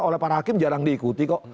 oleh para hakim jarang diikuti kok